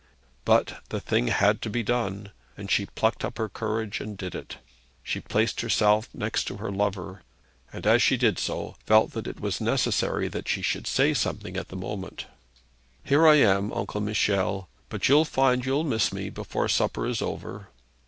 But the thing had to be done, and she plucked up her courage and did it. She placed herself next to her lover, and as she did so, felt that it was necessary that she should say something at the moment: 'Here I am, Uncle Michel; but you'll find you'll miss me, before supper is over.'